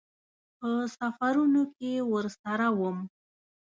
په سفرونو کې ورسره وم.